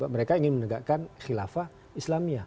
mereka ingin menegakkan kilafah islamia